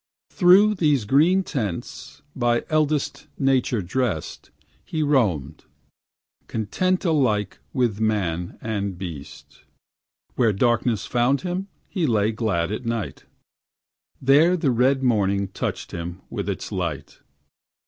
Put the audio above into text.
Through these green tents, by eldest Nature dressed, He roamed, content alike with man and beast. Where darkness found him he lay glad at night; There the red morning touched him with its light.